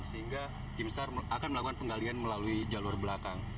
sehingga tim sar akan melakukan penggalian melalui jalur belakang